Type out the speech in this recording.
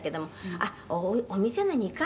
「あっお店の２階？」